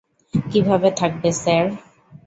কিভাবে থাকবে, স্যার?